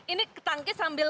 ini tangkis sambil